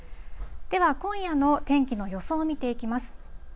では、今夜の天気の予想を見ていきます。